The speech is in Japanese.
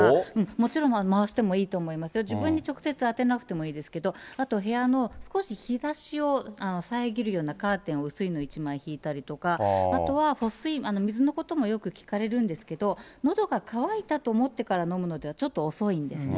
もちろん、回してもいいと思いますよ、自分に直接当てなくてもいいですけど、あと部屋の少し日ざしを遮るようなカーテンを、薄いのを１枚引いたりとか、あとは補水、水のこともよく聞かれるんですけど、のどが渇いたと思ってから飲むのではちょっと遅いんですね。